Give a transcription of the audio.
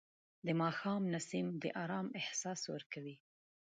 د ماښام نسیم د آرام احساس ورکوي